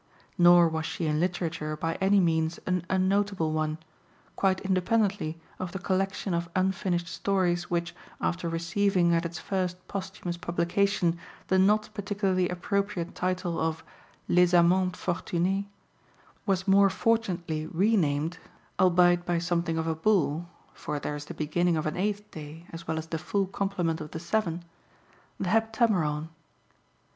Nor was she in literature by any means an unnotable one, quite independently of the collection of unfinished stories, which, after receiving at its first posthumous publication the not particularly appropriate title of Les Amants Fortunés, was more fortunately re named, albeit by something of a bull (for there is the beginning of an eighth day as well as the full complement of the seven), the Heptameron.